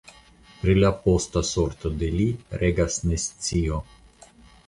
Pri la posta sorto de li regas nescio.